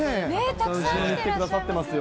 たくさん来てらっしゃってますよね。